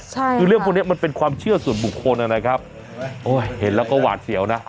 ใช่คือเรื่องพวกนี้มันเป็นความเชื่อส่วนบุคคลนะครับโอ้ยเห็นแล้วก็หวาดเสียวนะ